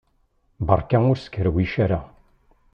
Beṛka ur skerwic ara!